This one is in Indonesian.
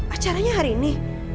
acaranya hari ini